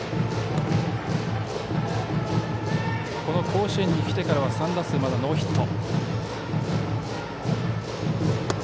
甲子園に来てからは３打数ノーヒット。